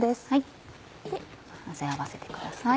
混ぜ合わせてください。